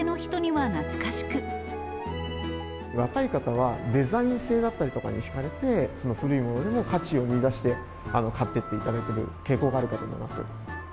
若い方は、デザイン性だったりとかに引かれて、古い物にも価値を見いだして、買っていっていただける傾向があるかと思います。